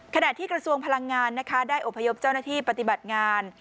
ขณะที่กระทรวงพลังงานนะคะได้อพยพเจ้าหน้าที่ปฏิบัติงาน